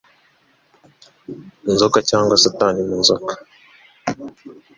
Inzoka, cyangwa se Satani mu Nzoka;